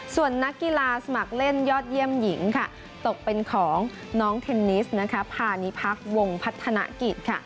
ส่วนนักกีฬาสมัครเล่นยอดเยี่ยมหญิงตกเป็นของน้องเทนนิสพาณิพักษ์วงพัฒนากิจค่ะ